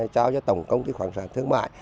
cho tổng công cái khoảng sản thương mại